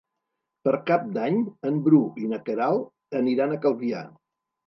Per Cap d'Any en Bru i na Queralt aniran a Calvià.